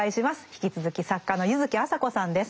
引き続き作家の柚木麻子さんです。